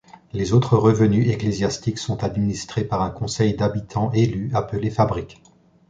Les autres revenus ecclésiastiques sont administrés par un conseil d'habitants élus, appelé fabrique.